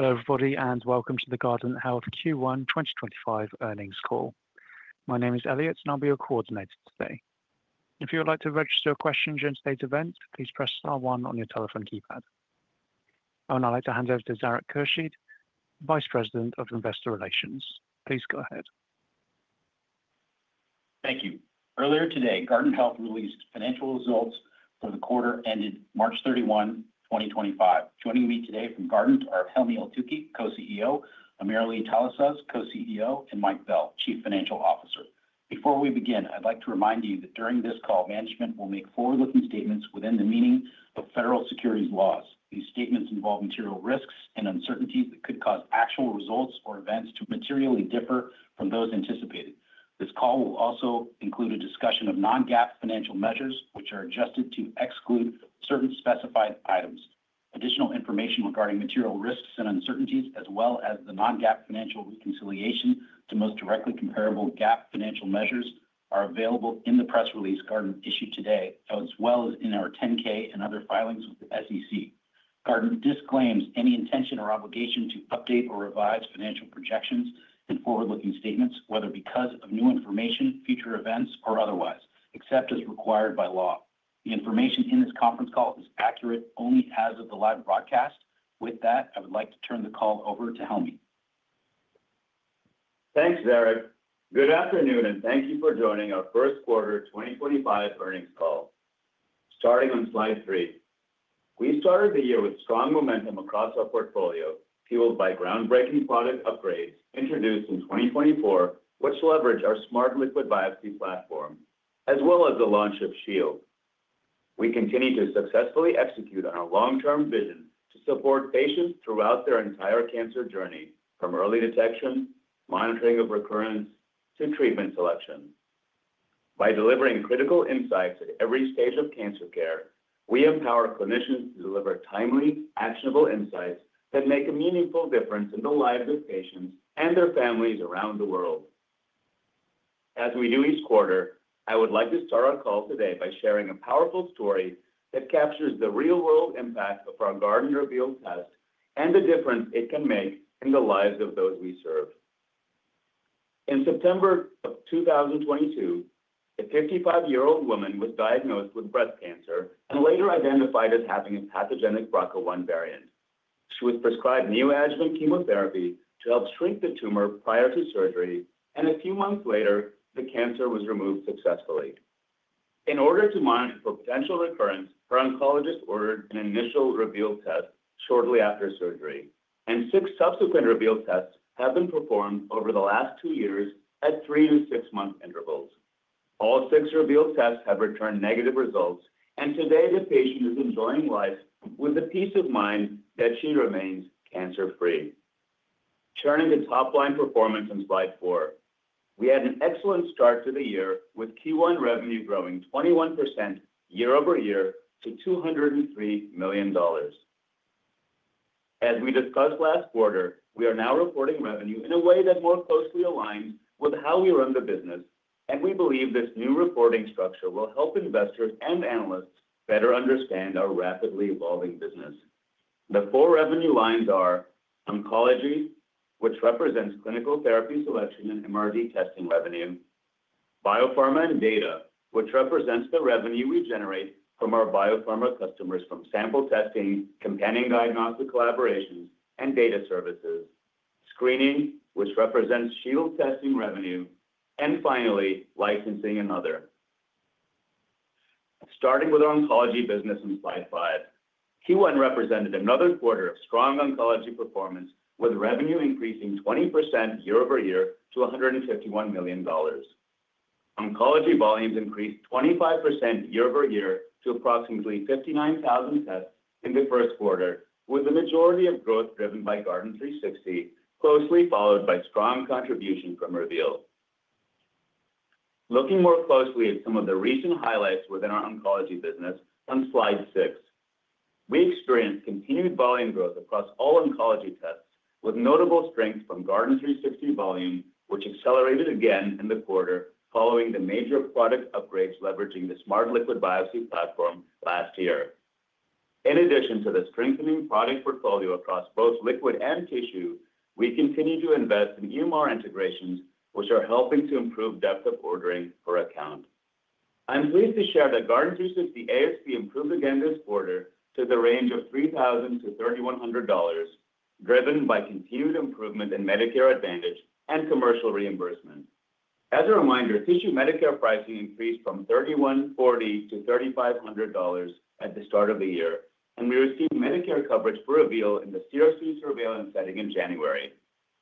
Hello, everybody, and welcome to the Guardant Health Q1 2025 earnings call. My name is Elliot, and I'll be your coordinator today. If you would like to register a question during today's event, please press star one on your telephone keypad. I would now like to hand over to Zarak Khurshid, Vice President of Investor Relations. Please go ahead. Thank you. Earlier today, Guardant Health released financial results for the quarter ended March 31, 2025. Joining me today from Guardant are Helmy Eltoukhy, Co-CEO; AmirAli Talasaz, Co-CEO; and Mike Bell, Chief Financial Officer. Before we begin, I'd like to remind you that during this call, management will make forward-looking statements within the meaning of federal securities laws. These statements involve material risks and uncertainties that could cause actual results or events to materially differ from those anticipated. This call will also include a discussion of non-GAAP financial measures, which are adjusted to exclude certain specified items. Additional information regarding material risks and uncertainties, as well as the non-GAAP financial reconciliation to most directly comparable GAAP financial measures, are available in the press release Guardant issued today, as well as in our 10-K and other filings with the SEC. Guardant disclaims any intention or obligation to update or revise financial projections and forward-looking statements, whether because of new information, future events, or otherwise, except as required by law. The information in this conference call is accurate only as of the live broadcast. With that, I would like to turn the call over to Helmy. Thanks, Zarak. Good afternoon, and thank you for joining our first quarter 2025 earnings call. Starting on slide three, we started the year with strong momentum across our portfolio, fueled by groundbreaking product upgrades introduced in 2024, which leverage our Smart Liquid Biopsy platform, as well as the launch of Shield. We continue to successfully execute on our long-term vision to support patients throughout their entire cancer journey, from early detection, monitoring of recurrence, to treatment selection. By delivering critical insights at every stage of cancer care, we empower clinicians to deliver timely, actionable insights that make a meaningful difference in the lives of patients and their families around the world. As we do each quarter, I would like to start our call today by sharing a powerful story that captures the real-world impact of our Guardant Reveal test and the difference it can make in the lives of those we serve. In September of 2022, a 55-year-old woman was diagnosed with breast cancer and later identified as having a pathogenic BRCA1 variant. She was prescribed neoadjuvant chemotherapy to help shrink the tumor prior to surgery, and a few months later, the cancer was removed successfully. In order to monitor for potential recurrence, her oncologist ordered an initial Reveal test shortly after surgery, and six subsequent Reveal tests have been performed over the last two years at three to six-month intervals. All six Reveal tests have returned negative results, and today, the patient is enjoying life with the peace of mind that she remains cancer-free. Turning to top-line performance on slide four, we had an excellent start to the year with Q1 revenue growing 21% year-over-year to $203 million. As we discussed last quarter, we are now reporting revenue in a way that more closely aligns with how we run the business, and we believe this new reporting structure will help investors and analysts better understand our rapidly evolving business. The four revenue lines are oncology, which represents clinical therapy selection and MRD testing revenue; biopharma and data, which represents the revenue we generate from our biopharma customers from sample testing, companion diagnostic collaborations, and data services; screening, which represents Shield testing revenue; and finally, licensing and other. Starting with our oncology business on slide five, Q1 represented another quarter of strong oncology performance, with revenue increasing 20% year-over-year to $151 million. Oncology volumes increased 25% year over year to approximately 59,000 tests in the first quarter, with the majority of growth driven by Guardant360, closely followed by strong contribution from Reveal. Looking more closely at some of the recent highlights within our oncology business on slide six, we experienced continued volume growth across all oncology tests, with notable strength from Guardant360 volume, which accelerated again in the quarter following the major product upgrades leveraging the Smart Liquid Biopsy platform last year. In addition to the strengthening product portfolio across both liquid and tissue, we continue to invest in EMR integrations, which are helping to improve depth of ordering per account. I'm pleased to share that Guardant360 ASP improved again this quarter to the range of $3,000-$3,100, driven by continued improvement in Medicare Advantage and commercial reimbursement. As a reminder, tissue Medicare pricing increased from $3,140-$3,500 at the start of the year, and we received Medicare coverage for Reveal in the CRC surveillance setting in January.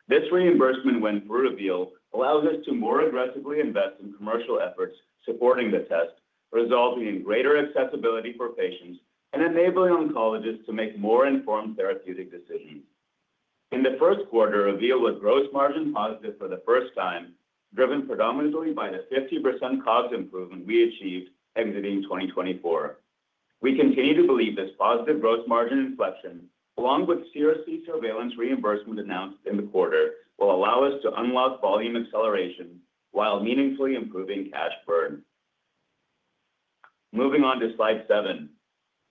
This reimbursement went through. Reveal allows us to more aggressively invest in commercial efforts supporting the test, resulting in greater accessibility for patients and enabling oncologists to make more informed therapeutic decisions. In the first quarter, Reveal was gross margin positive for the first time, driven predominantly by the 50% COGS improvement we achieved exiting 2024. We continue to believe this positive gross margin inflection, along with CRC surveillance reimbursement announced in the quarter, will allow us to unlock volume acceleration while meaningfully improving cash burn. Moving on to slide seven,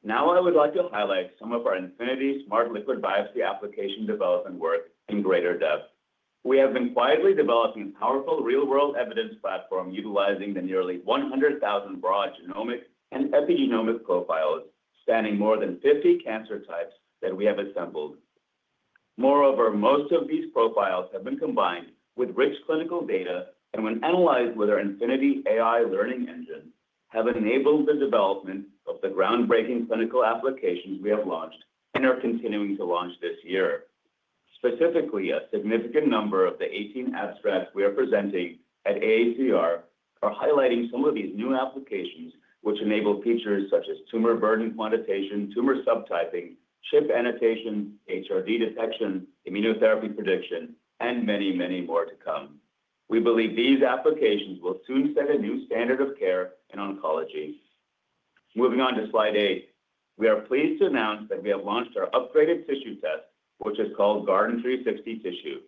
now I would like to highlight some of our Infinity Smart Liquid Biopsy application development work in greater depth. We have been quietly developing a powerful real-world evidence platform utilizing the nearly 100,000 broad genomic and epigenomic profiles spanning more than 50 cancer types that we have assembled. Moreover, most of these profiles have been combined with rich clinical data and, when analyzed with our Infinity AI learning engine, have enabled the development of the groundbreaking clinical applications we have launched and are continuing to launch this year. Specifically, a significant number of the 18 abstracts we are presenting at AACR are highlighting some of these new applications, which enable features such as tumor burden quantitation, tumor subtyping, CHIP annotation, HRD detection, immunotherapy prediction, and many, many more to come. We believe these applications will soon set a new standard of care in oncology. Moving on to slide eight, we are pleased to announce that we have launched our upgraded tissue test, which is called Guardant360 Tissue.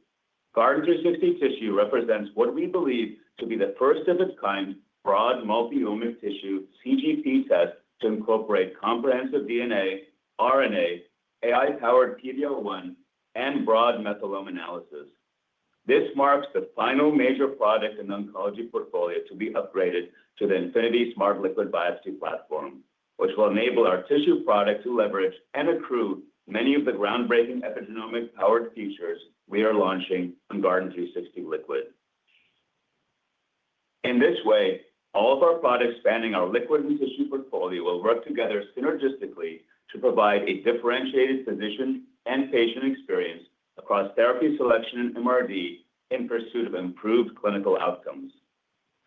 Guardant360 Tissue represents what we believe to be the first-of-its-kind broad multi-omic tissue CGP test to incorporate comprehensive DNA, RNA, AI-powered PD-L1, and broad methylome analysis. This marks the final major product in the oncology portfolio to be upgraded to the Infinity Smart Liquid Biopsy platform, which will enable our tissue product to leverage and accrue many of the groundbreaking epigenomic-powered features we are launching on Guardant360 Liquid. In this way, all of our products spanning our liquid and tissue portfolio will work together synergistically to provide a differentiated physician and patient experience across therapy selection and MRD in pursuit of improved clinical outcomes.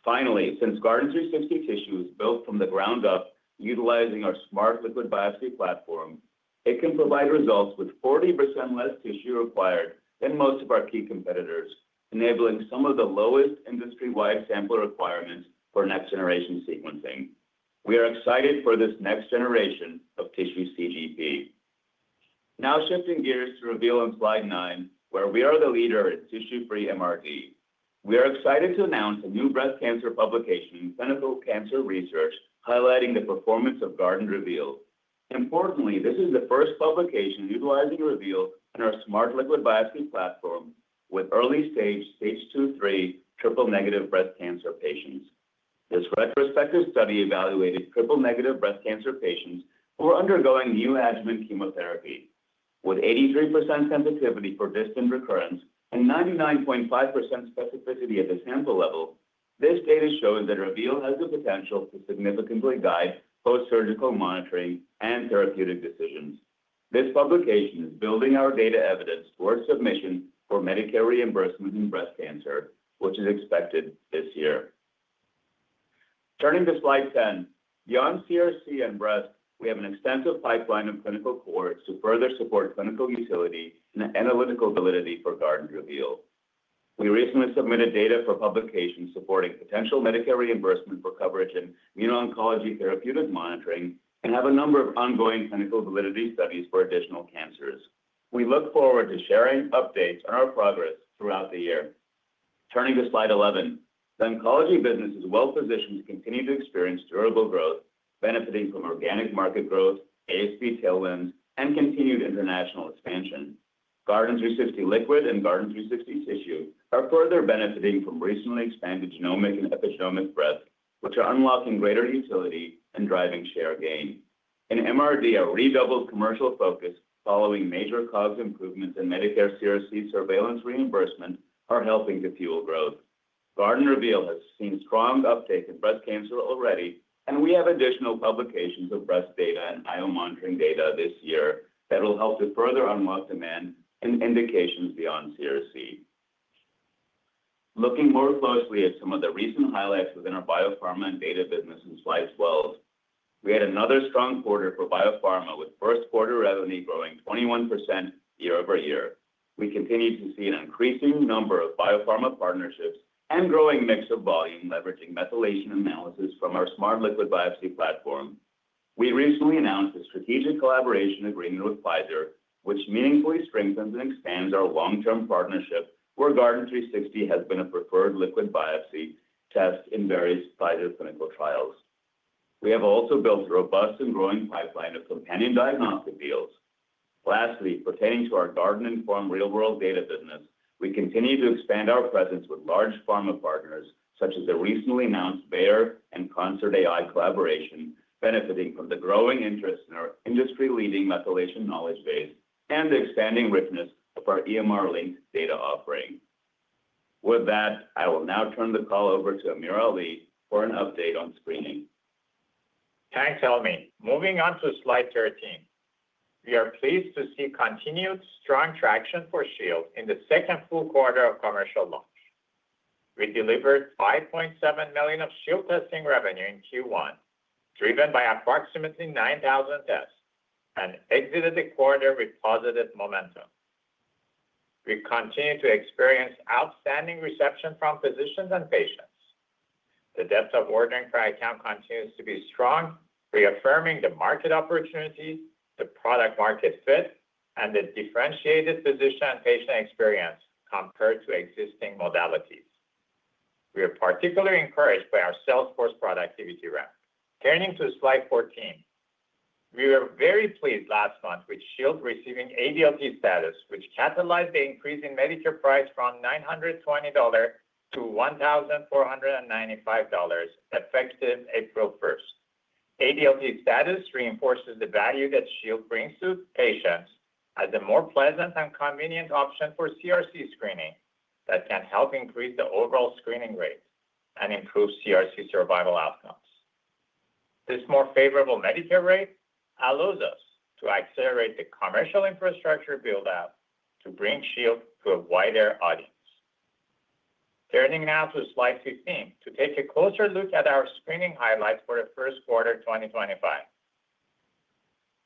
Finally, since Guardant360 Tissue is built from the ground up utilizing our Smart Liquid Biopsy platform, it can provide results with 40% less tissue required than most of our key competitors, enabling some of the lowest industry-wide sample requirements for next-generation sequencing. We are excited for this next generation of tissue CGP. Now shifting gears to Reveal on slide nine, where we are the leader in tissue-free MRD. We are excited to announce a new breast cancer publication in Clinical Cancer Research highlighting the performance of Guardant Reveal. Importantly, this is the first publication utilizing Reveal in our Smart Liquid Biopsy platform with early-stage stage two and three triple-negative breast cancer patients. This retrospective study evaluated triple-negative breast cancer patients who are undergoing neoadjuvant chemotherapy. With 83% sensitivity for distant recurrence and 99.5% specificity at the sample level, this data shows that Reveal has the potential to significantly guide post-surgical monitoring and therapeutic decisions. This publication is building our data evidence for submission for Medicare reimbursement in breast cancer, which is expected this year. Turning to slide 10, beyond CRC and breast, we have an extensive pipeline of clinical cores to further support clinical utility and analytical validity for Guardant Reveal. We recently submitted data for publication supporting potential Medicare reimbursement for coverage in new oncology therapeutic monitoring and have a number of ongoing clinical validity studies for additional cancers. We look forward to sharing updates on our progress throughout the year. Turning to slide 11, the oncology business is well-positioned to continue to experience durable growth, benefiting from organic market growth, ASP tailwinds, and continued international expansion. Guardant360 Liquid and Guardant360 Tissue are further benefiting from recently expanded genomic and epigenomic breadth, which are unlocking greater utility and driving share gain. In MRD, our redoubled commercial focus following major COGS improvements and Medicare CRC surveillance reimbursement are helping to fuel growth. Guardant Reveal has seen strong uptake in breast cancer already, and we have additional publications of breast data and I/O monitoring data this year that will help to further unlock demand and indications beyond CRC. Looking more closely at some of the recent highlights within our biopharma and data business on slide 12, we had another strong quarter for biopharma with first-quarter revenue growing 21% year-over-year. We continue to see an increasing number of biopharma partnerships and growing mix of volume leveraging methylation analysis from our Smart Liquid Biopsy platform. We recently announced a strategic collaboration agreement with Pfizer, which meaningfully strengthens and expands our long-term partnership where Guardant360 has been a preferred liquid biopsy test in various Pfizer clinical trials. We have also built a robust and growing pipeline of companion diagnostic deals. Lastly, pertaining to our GuardantINFORM real-world data business, we continue to expand our presence with large pharma partners such as the recently announced Bayer and ConcertAI collaboration, benefiting from the growing interest in our industry-leading methylation knowledge base and the expanding richness of our EMR-linked data offering. With that, I will now turn the call over to AmirAli for an update on screening. Thanks, Helmy. Moving on to slide 13, we are pleased to see continued strong traction for Shield in the second full quarter of commercial launch. We delivered $5.7 million of Shield testing revenue in Q1, driven by approximately 9,000 tests, and exited the quarter with positive momentum. We continue to experience outstanding reception from physicians and patients. The depth of ordering per account continues to be strong, reaffirming the market opportunities, the product-market fit, and the differentiated physician-patient experience compared to existing modalities. We are particularly encouraged by our sales force productivity rep. Turning to slide 14, we were very pleased last month with Shield receiving ADLT status, which catalyzed the increase in Medicare price from $920-$1,495 effective April 1. ADLT status reinforces the value that Shield brings to patients as a more pleasant and convenient option for CRC screening that can help increase the overall screening rate and improve CRC survival outcomes. This more favorable Medicare rate allows us to accelerate the commercial infrastructure build-out to bring Shield to a wider audience. Turning now to slide 15 to take a closer look at our screening highlights for the first quarter 2025.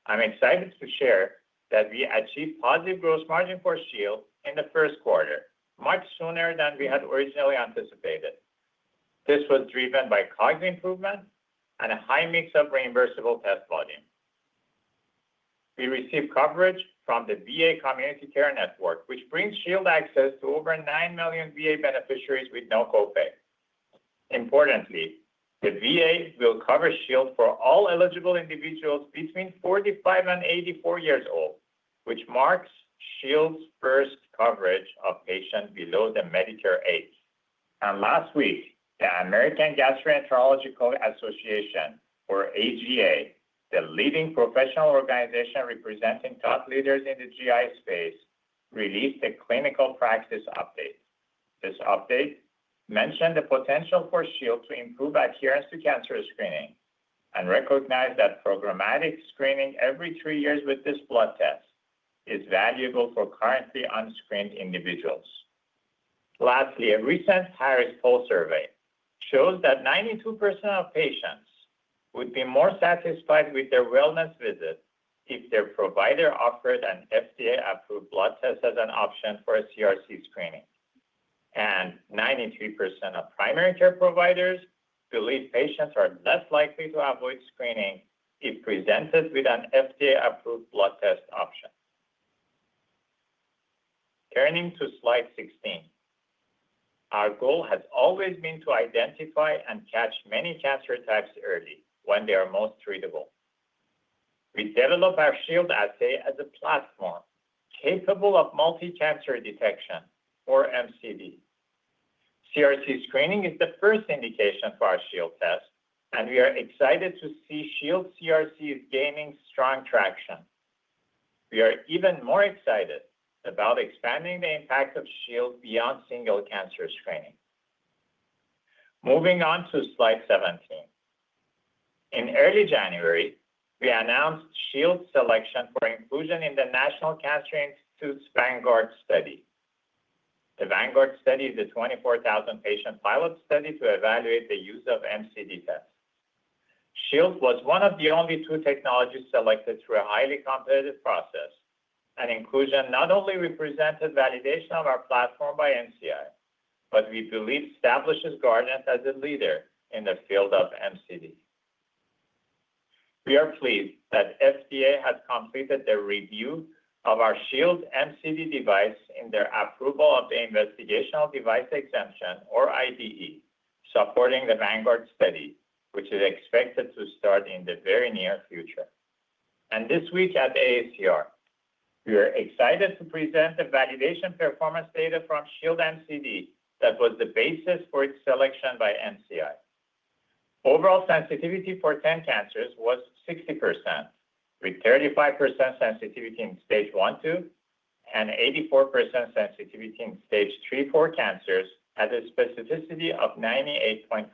I'm excited to share that we achieved positive gross margin for Shield in the first quarter, much sooner than we had originally anticipated. This was driven by COGS improvement and a high mix of reimbursable test volume. We received coverage from the VA Community Care Network, which brings Shield access to over 9 million VA beneficiaries with no copay. Importantly, the VA will cover Shield for all eligible individuals between 45 and 84 years old, which marks Shield 's first coverage of patients below the Medicare age. Last week, the American Gastroenterological Association, or AGA, the leading professional organization representing top leaders in the GI space, released a clinical practice update. This update mentioned the potential for Shield to improve adherence to cancer screening and recognized that programmatic screening every three years with this blood test is valuable for currently unscreened individuals. Lastly, a recent Harris Poll survey shows that 92% of patients would be more satisfied with their wellness visit if their provider offered an FDA-approved blood test as an option for a CRC screening. 93% of primary care providers believe patients are less likely to avoid screening if presented with an FDA-approved blood test option. Turning to slide 16, our goal has always been to identify and catch many cancer types early when they are most treatable. We developed our Shield assay as a platform capable of multi-cancer detection, or MCD. CRC screening is the first indication for our Shield test, and we are excited to see Shield CRC is gaining strong traction. We are even more excited about expanding the impact of Shield beyond single cancer screening. Moving on to slide 17, in early January, we announced Shield selection for inclusion in the National Cancer Institute's Vanguard study. The Vanguard study is a 24,000-patient pilot study to evaluate the use of MCD tests. Shield was one of the only two technologies selected through a highly competitive process, and inclusion not only represented validation of our platform by NCI, but we believe establishes Guardant as a leader in the field of MCD. We are pleased that FDA has completed the review of our Shield MCD device in their approval of the Investigational Device Exemption, or IDE, supporting the Vanguard study, which is expected to start in the very near future. This week at AACR, we are excited to present the validation performance data from Shield MCD that was the basis for its selection by NCI. Overall sensitivity for 10 cancers was 60%, with 35% sensitivity in stage one-two and 84% sensitivity in stage three-four cancers at a specificity of 98.5%.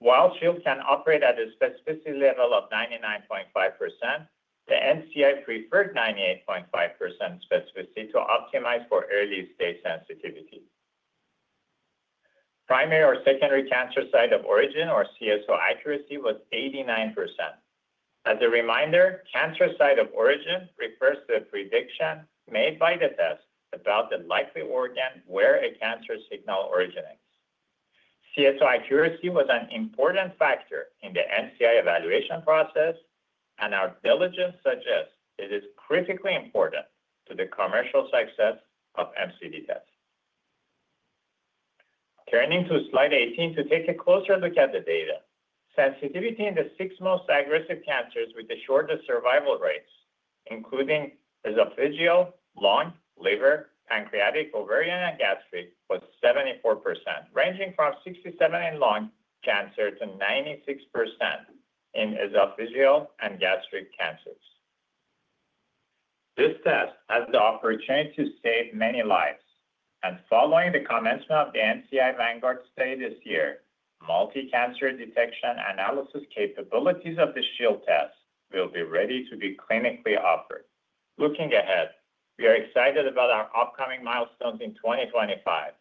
While Shield can operate at a specificity level of 99.5%, the NCI preferred 98.5% specificity to optimize for early-stage sensitivity. Primary or secondary cancer site of origin, or CSO accuracy, was 89%. As a reminder, cancer site of origin refers to the prediction made by the test about the likely organ where a cancer signal originates. CSO accuracy was an important factor in the NCI evaluation process, and our diligence suggests it is critically important to the commercial success of MCD tests. Turning to slide 18 to take a closer look at the data, sensitivity in the six most aggressive cancers with the shortest survival rates, including esophageal, lung, liver, pancreatic, ovarian, and gastric, was 74%, ranging from 67% in lung cancer to 96% in esophageal and gastric cancers. This test has the opportunity to save many lives. Following the commencement of the NCI Vanguard study this year, multi-cancer detection analysis capabilities of the Shield test will be ready to be clinically offered. Looking ahead, we are excited about our upcoming milestones in 2025,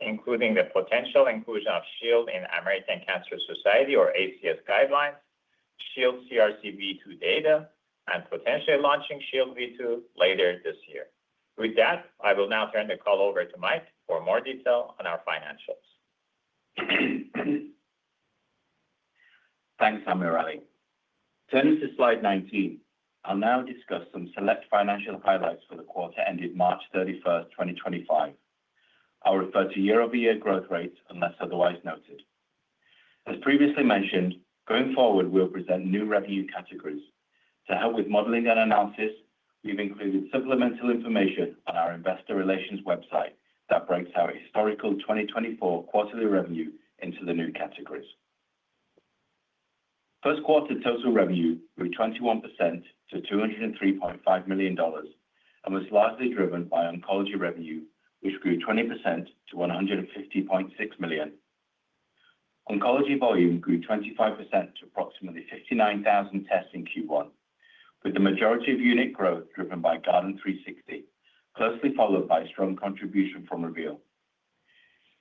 including the potential inclusion of Shield in American Cancer Society, or ACS guidelines, Shield CRC v2 data, and potentially launching Shield v2 later this year. With that, I will now turn the call over to Mike for more detail on our financials. Thanks, AmirAli. Turning to slide 19, I'll now discuss some select financial highlights for the quarter ended March 31, 2025. I'll refer to year-over-year growth rates unless otherwise noted. As previously mentioned, going forward, we'll present new revenue categories. To help with modeling and analysis, we've included supplemental information on our investor relations website that breaks our historical 2024 quarterly revenue into the new categories. First quarter total revenue grew 21% to $203.5 million and was largely driven by oncology revenue, which grew 20% to $150.6 million. Oncology volume grew 25% to approximately 59,000 tests in Q1, with the majority of unit growth driven by Guardant360, closely followed by strong contribution from Reveal.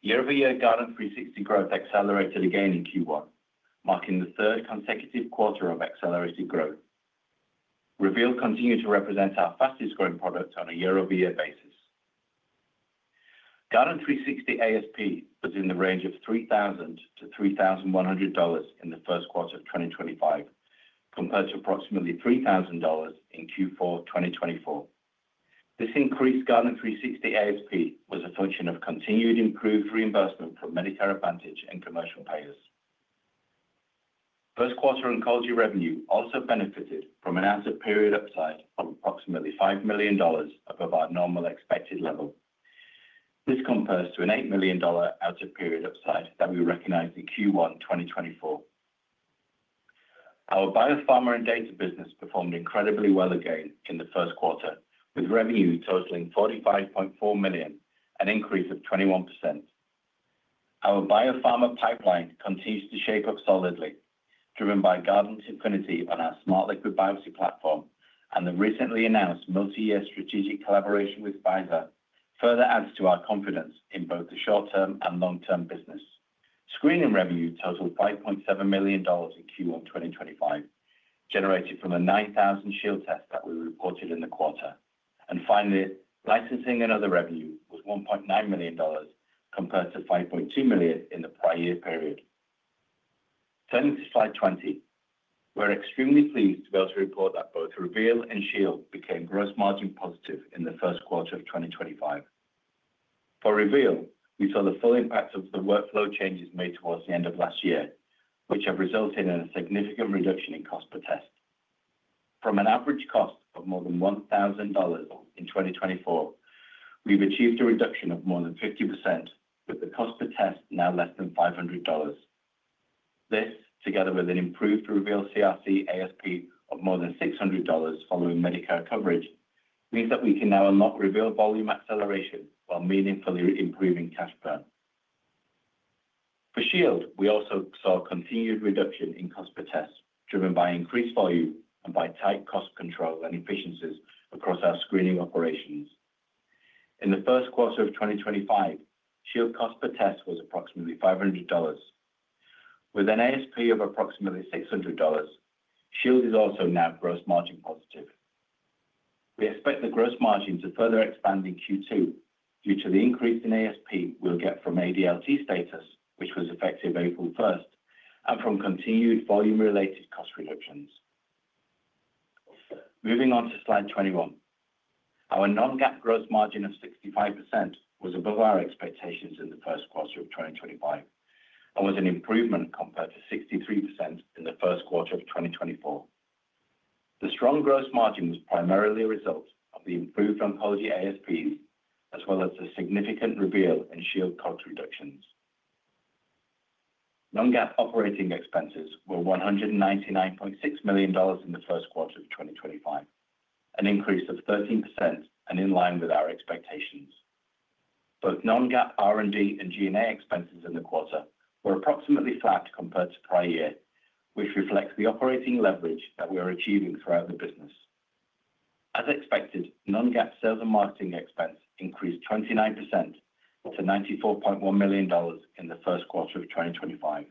Year-over-year Guardant360 growth accelerated again in Q1, marking the third consecutive quarter of accelerated growth. Reveal continued to represent our fastest-growing product on a year-over-year basis. Guardant360 ASP was in the range of $3,000-$3,100 in the first quarter of 2025, compared to approximately $3,000 in Q4 2024. This increased Guardant360 ASP was a function of continued improved reimbursement from Medicare Advantage and commercial payers. First quarter oncology revenue also benefited from an out-of-period upside of approximately $5 million above our normal expected level. This compares to an $8 million out-of-period upside that we recognized in Q1 2024. Our biopharma and data business performed incredibly well again in the first quarter, with revenue totaling $45.4 million, an increase of 21%. Our biopharma pipeline continues to shape up solidly, driven by Guardant Infinity on our Smart Liquid Biopsy platform and the recently announced multi-year strategic collaboration with Pfizer, further adds to our confidence in both the short-term and long-term business. Screening revenue totaled $5.7 million in Q1 2025, generated from the 9,000 Shield tests that we reported in the quarter. Finally, licensing and other revenue was $1.9 million compared to $5.2 million in the prior year period. Turning to slide 20, we are extremely pleased to be able to report that both Reveal and Shield became gross margin positive in the first quarter of 2025. For Reveal, we saw the full impact of the workflow changes made towards the end of last year, which have resulted in a significant reduction in cost per test. From an average cost of more than $1,000 in 2024, we have achieved a reduction of more than 50%, with the cost per test now less than $500. This, together with an improved Reveal CRC ASP of more than $600 following Medicare coverage, means that we can now unlock Reveal volume acceleration while meaningfully improving cash burn. For Shield, we also saw a continued reduction in cost per test driven by increased volume and by tight cost control and efficiencies across our screening operations. In the first quarter of 2025, Shield cost per test was approximately $500. With an ASP of approximately $600, Shield is also now gross margin positive. We expect the gross margin to further expand in Q2 due to the increase in ASP we'll get from ADLT status, which was effective April 1, and from continued volume-related cost reductions. Moving on to slide 21, our non-GAAP gross margin of 65% was above our expectations in the first quarter of 2025 and was an improvement compared to 63% in the first quarter of 2024. The strong gross margin was primarily a result of the improved oncology ASPs, as well as the significant Reveal and Shield cost reductions. Non-GAAP operating expenses were $199.6 million in the first quarter of 2025, an increase of 13% and in line with our expectations. Both non-GAAP R&D and G&A expenses in the quarter were approximately flat compared to prior year, which reflects the operating leverage that we are achieving throughout the business. As expected, non-GAAP sales and marketing expense increased 29% to $94.1 million in the first quarter of 2025.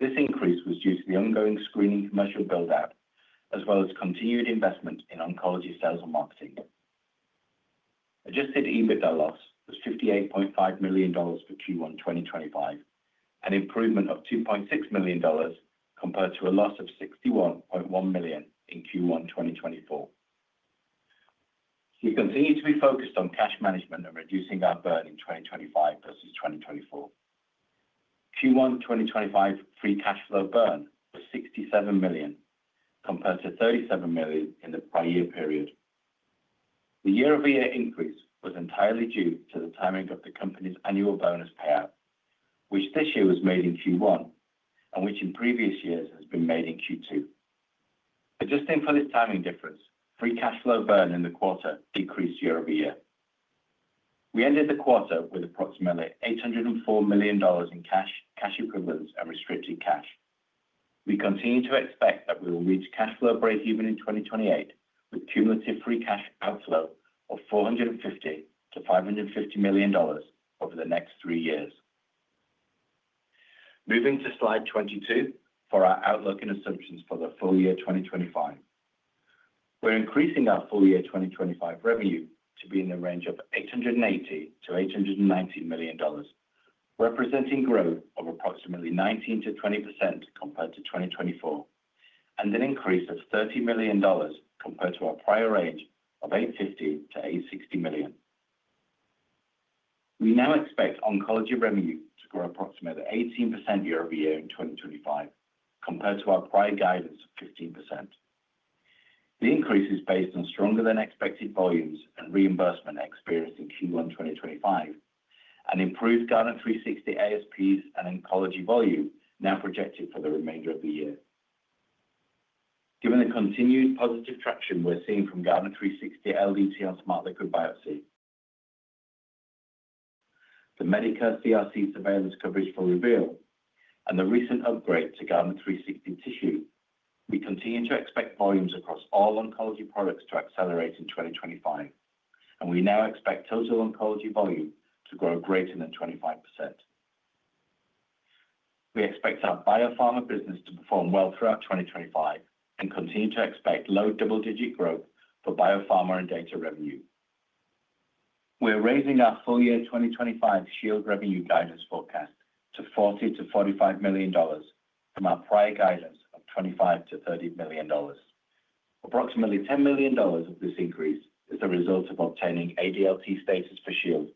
This increase was due to the ongoing screening commercial build-out, as well as continued investment in oncology sales and marketing. Adjusted EBITDA loss was $58.5 million for Q1 2025, an improvement of $2.6 million compared to a loss of $61.1 million in Q1 2024. We continue to be focused on cash management and reducing our burn in 2025 versus 2024. Q1 2025 free cash flow burn was $67 million compared to $37 million in the prior year period. The year-over-year increase was entirely due to the timing of the company's annual bonus payout, which this year was made in Q1 and which in previous years has been made in Q2. Adjusting for this timing difference, free cash flow burn in the quarter decreased year-over-year. We ended the quarter with approximately $804 million in cash, cash equivalents, and restricted cash. We continue to expect that we will reach cash flow break-even in 2028, with cumulative free cash outflow of $450 million-$550 million over the next three years. Moving to slide 22 for our outlook and assumptions for the full year 2025. We're increasing our full year 2025 revenue to be in the range of $880 million-$890 million, representing growth of approximately 19%-20% compared to 2024, and an increase of $30 million compared to our prior range of $850 million-$860 million. We now expect oncology revenue to grow approximately 18% year-over-year in 2025 compared to our prior guidance of 15%. The increase is based on stronger-than-expected volumes and reimbursement experience in Q1 2025 and improved Guardant360 ASPs and oncology volume now projected for the remainder of the year. Given the continued positive traction we're seeing from Guardant360 LDT on Smart Liquid Biopsy, the Medicare CRC surveillance coverage for Reveal, and the recent upgrade to Guardant360 Tissue, we continue to expect volumes across all oncology products to accelerate in 2025, and we now expect total oncology volume to grow greater than 25%. We expect our biopharma business to perform well throughout 2025 and continue to expect low double-digit growth for biopharma and data revenue. We're raising our full year 2025 Shield revenue guidance forecast to $40 million-$45 million from our prior guidance of $25 million-$30 million. Approximately $10 million of this increase is the result of obtaining ADLT status for Shield,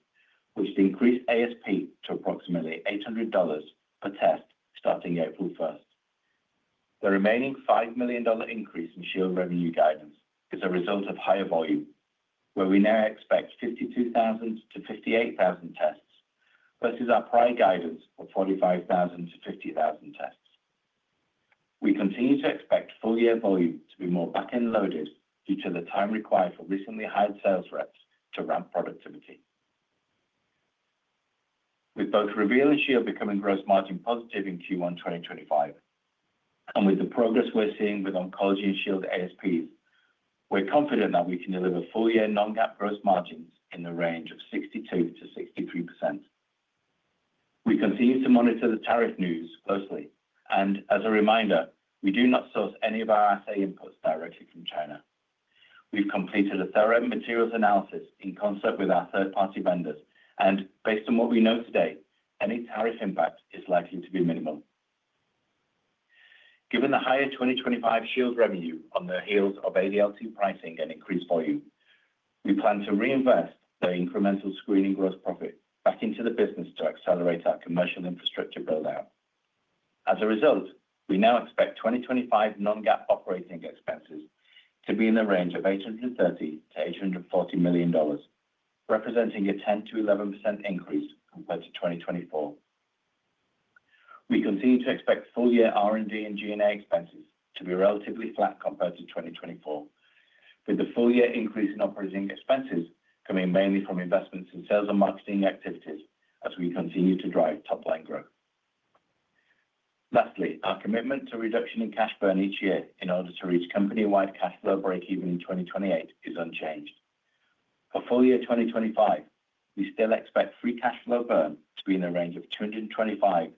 which increased ASP to approximately $800 per test starting April 1st. The remaining $5 million increase in Shield revenue guidance is a result of higher volume, where we now expect 52,000-58,000 tests versus our prior guidance of 45,000-50,000 tests. We continue to expect full year volume to be more back-end loaded due to the time required for recently hired sales reps to ramp productivity. With both Reveal and Shield becoming gross margin positive in Q1 2025, and with the progress we're seeing with oncology and Shield ASPs, we're confident that we can deliver full year non-GAAP gross margins in the range of 62%-63%. We continue to monitor the tariff news closely, and as a reminder, we do not source any of our assay inputs directly from China. We've completed a thorough materials analysis in concert with our third-party vendors, and based on what we know today, any tariff impact is likely to be minimal. Given the higher 2025 Shield revenue on the heels of ADLT pricing and increased volume, we plan to reinvest the incremental screening gross profit back into the business to accelerate our commercial infrastructure build-out. As a result, we now expect 2025 non-GAAP operating expenses to be in the range of $830 million-$840 million, representing a 10%-11% increase compared to 2024. We continue to expect full year R&D and G&A expenses to be relatively flat compared to 2024, with the full year increase in operating expenses coming mainly from investments in sales and marketing activities as we continue to drive top-line growth. Lastly, our commitment to reduction in cash burn each year in order to reach company-wide cash flow break-even in 2028 is unchanged. For full year 2025, we still expect free cash flow burn to be in the range of $225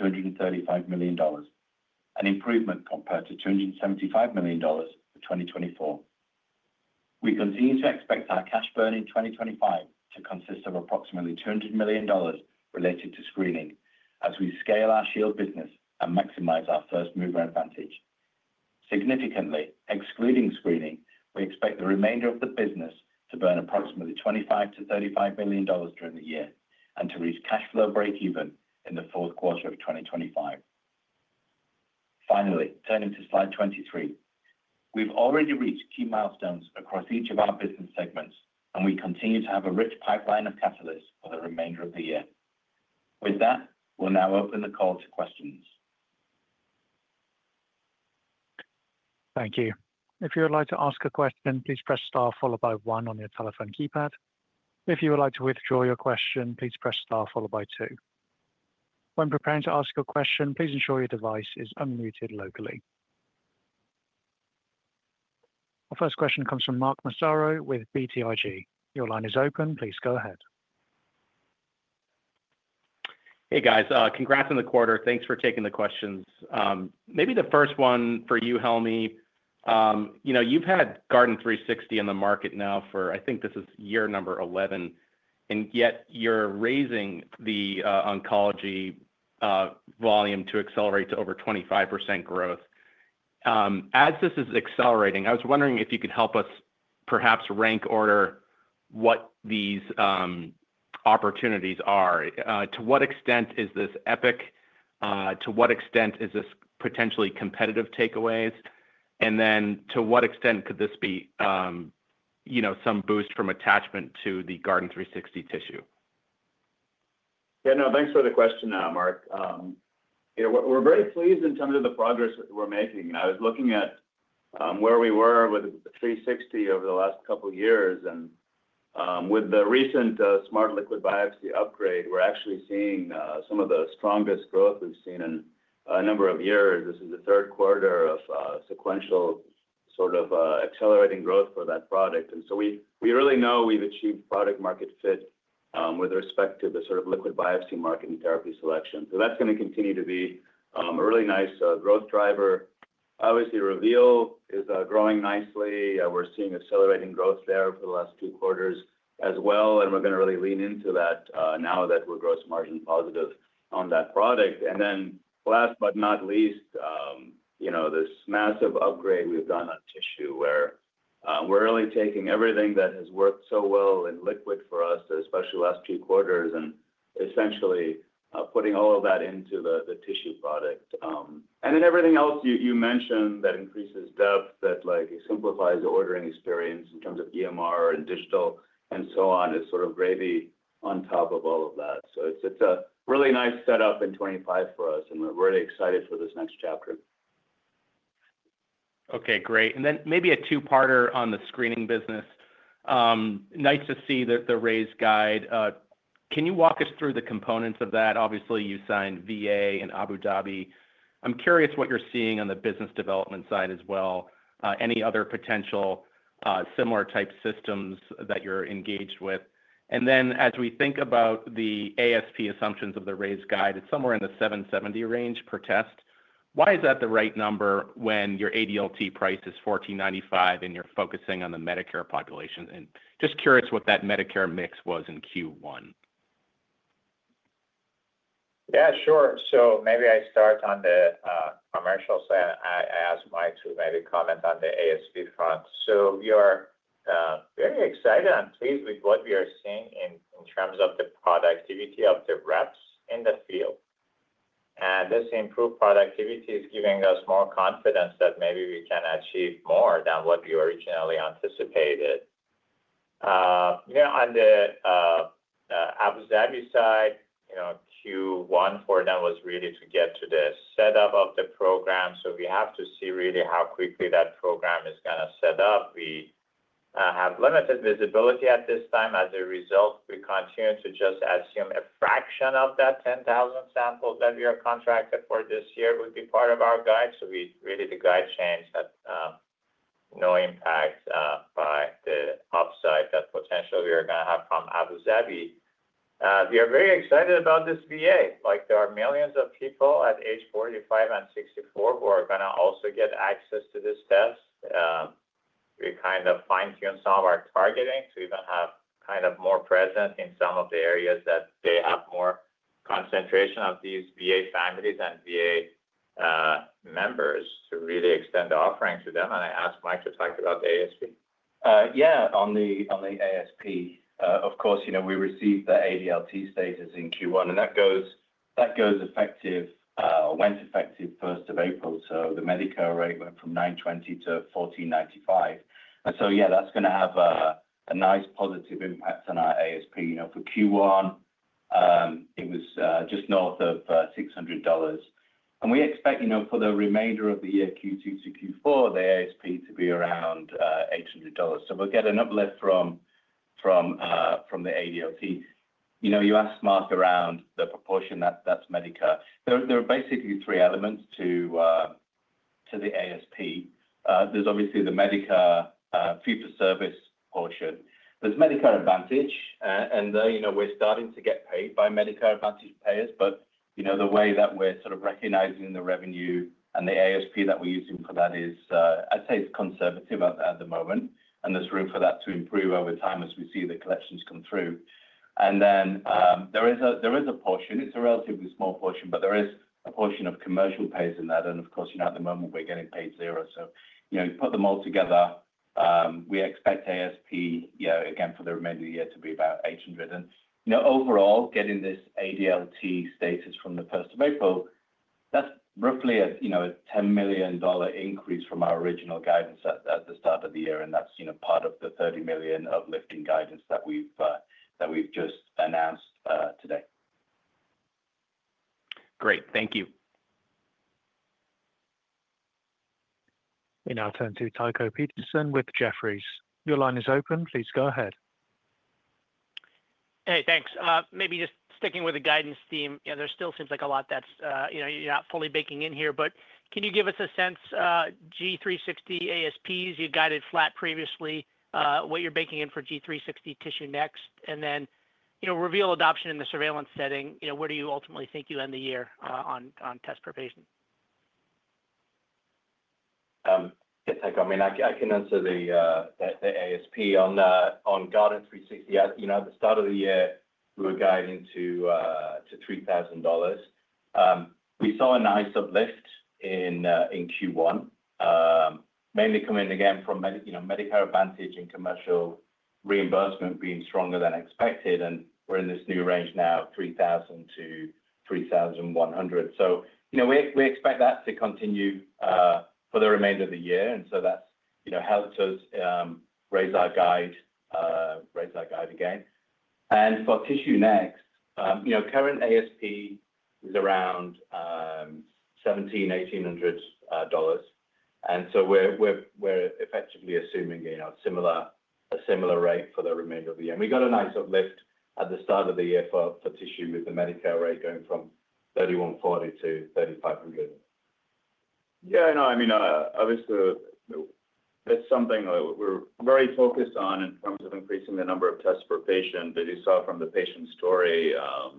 million-$235 million, an improvement compared to $275 million for 2024. We continue to expect our cash burn in 2025 to consist of approximately $200 million related to screening as we scale our Shield business and maximize our first mover advantage. Significantly, excluding screening, we expect the remainder of the business to burn approximately $25 million-$35 million during the year and to reach cash flow break-even in the fourth quarter of 2025. Finally, turning to slide 23, we've already reached key milestones across each of our business segments, and we continue to have a rich pipeline of catalysts for the remainder of the year. With that, we'll now open the call to questions. Thank you. If you would like to ask a question, please press star followed by one on your telephone keypad. If you would like to withdraw your question, please press star followed by two. When preparing to ask your question, please ensure your device is unmuted locally. Our first question comes from Mark Massaro with BTIG. Your line is open. Please go ahead. Hey, guys. Congrats on the quarter. Thanks for taking the questions. Maybe the first one for you, Helmy. You've had Guardant360 in the market now for, I think this is year number 11, and yet you're raising the oncology volume to accelerate to over 25% growth. As this is accelerating, I was wondering if you could help us perhaps rank order what these opportunities are. To what extent is this epic? To what extent is this potentially competitive takeaways? And then to what extent could this be some boost from attachment to the Guardant360 Tissue? Yeah, no, thanks for the question, Mark. We're very pleased in terms of the progress we're making. I was looking at where we were with 360 over the last couple of years, and with the recent Smart Liquid Biopsy upgrade, we're actually seeing some of the strongest growth we've seen in a number of years. This is the third quarter of sequential sort of accelerating growth for that product. We really know we've achieved product-market fit with respect to the sort of liquid biopsy market and therapy selection. That is going to continue to be a really nice growth driver. Obviously, Reveal is growing nicely. We're seeing accelerating growth there for the last two quarters as well, and we're going to really lean into that now that we're gross margin positive on that product. Last but not least, this massive upgrade we've done on tissue where we're really taking everything that has worked so well in liquid for us, especially last two quarters, and essentially putting all of that into the tissue product. Everything else you mentioned that increases depth, that simplifies the ordering experience in terms of EMR and digital and so on, is sort of gravy on top of all of that. It is a really nice setup in 2025 for us, and we're really excited for this next chapter. Okay, great. Maybe a two-parter on the screening business. Nice to see the raise guide. Can you walk us through the components of that? Obviously, you signed VA and Abu Dhabi. I'm curious what you're seeing on the business development side as well. Any other potential similar type systems that you're engaged with? As we think about the ASP assumptions of the raise guide, it's somewhere in the $770 range per test. Why is that the right number when your ADLT price is $1,495 and you're focusing on the Medicare population? Just curious what that Medicare mix was in Q1. Yeah, sure. Maybe I start on the commercial side. I asked Mike to maybe comment on the ASP front. We are very excited and pleased with what we are seeing in terms of the productivity of the reps in the field. This improved productivity is giving us more confidence that maybe we can achieve more than what we originally anticipated. On the Abu Dhabi side, Q1 for them was really to get to the setup of the program. We have to see really how quickly that program is going to set up. We have limited visibility at this time. As a result, we continue to just assume a fraction of that 10,000 samples that we are contracted for this year would be part of our guide. The guide changed at no impact by the upside that potentially we are going to have from Abu Dhabi. We are very excited about this VA. There are millions of people at age 45 and 64 who are going to also get access to this test. We kind of fine-tuned some of our targeting to even have kind of more presence in some of the areas that they have more concentration of these VA families and VA members to really extend the offering to them. I asked Mike to talk about the ASP. Yeah, on the ASP, of course, we received the ADLT status in Q1, and that went effective 1st of April. The Medicare rate went from $920-$1,495. That is going to have a nice positive impact on our ASP. For Q1, it was just north of $600. We expect for the remainder of the year, Q2 to Q4, the ASP to be around $800. We will get an uplift from the ADLT. You asked Mark around the proportion that is Medicare. There are basically three elements to the ASP. There is obviously the Medicare fee-for-service portion. There's Medicare Advantage, and we're starting to get paid by Medicare Advantage payers. The way that we're sort of recognizing the revenue and the ASP that we're using for that is, I'd say, it's conservative at the moment, and there's room for that to improve over time as we see the collections come through. There is a portion. It's a relatively small portion, but there is a portion of commercial pays in that. Of course, at the moment, we're getting paid zero. You put them all together, we expect ASP, again, for the remainder of the year to be about $800. Overall, getting this ADLT status from the 1st of April, that's roughly a $10 million increase from our original guidance at the start of the year, and that's part of the $30 million uplifting guidance that we've just announced today. Great. Thank you. We now turn to Tycho Peterson with Jefferies. Your line is open. Please go ahead. Hey, thanks. Maybe just sticking with the guidance theme, there still seems like a lot that you're not fully baking in here. But can you give us a sense? G360 ASPs, you guided flat previously. What you're baking in for G360 TissueNext? And then Reveal adoption in the surveillance setting, where do you ultimately think you end the year on test per patient? Yeah, Tycho, I mean, I can answer the ASP on Guardant360. At the start of the year, we were guiding to $3,000. We saw a nice uplift in Q1, mainly coming again from Medicare Advantage and commercial reimbursement being stronger than expected. We're in this new range now of $3,000-$3,100. We expect that to continue for the remainder of the year. That's helped us raise our guide again. For TissueNext, current ASP is around $1,700-$1,800. We're effectively assuming a similar rate for the remainder of the year. We got a nice uplift at the start of the year for tissue with the Medicare rate going from $3,140-$3,500. Yeah, no, I mean, obviously, that's something we're very focused on in terms of increasing the number of tests per patient. As you saw from the patient story,